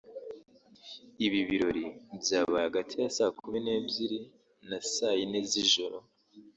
Ibi birori byabaye hagati ya saa kumi n’ebyiri na saa yine z’ijoro